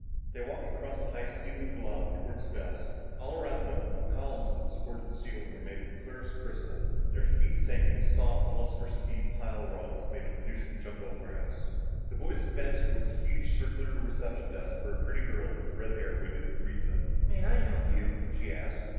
They walked across the high ceilinged lobby toward the desk. All around them, the columns that supported the ceiling were made of the clearest crystal. Their feet sank into soft, lustrous deep pile rugs made of Venusian jungle grass. The boys advanced toward the huge circular reception desk where a pretty girl with red hair waited to greet them. "May I help you?" she asked.